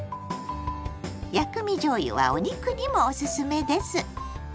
「薬味じょうゆ」はお肉にもオススメです。